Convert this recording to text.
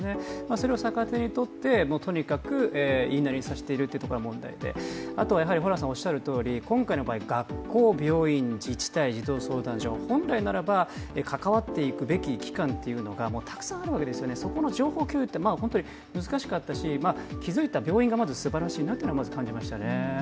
それを逆手にとってとにかく言いなりにさせているというところが問題であとは今回の場合学校、病院、自治体児童相談所、本来ならば関わっていくべき機関がたくさんあるわけですよね、そこの情報共有というのは本当に難しかったし気付いた病院がまずすばらしいなと感じましたね。